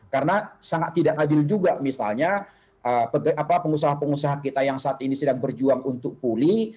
karena sangat tidak adil juga misalnya pengusaha pengusaha kita yang saat ini sedang berjuang untuk pulih